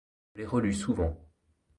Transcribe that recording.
Je l’ai relu souvent.